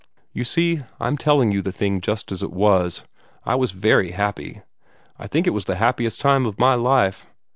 You see I'm telling you the thing just as it was. I was very happy. I think it was the happiest time of my life.